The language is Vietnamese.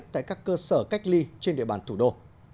tại các cơ sở cách ly trên địa bàn thủ đô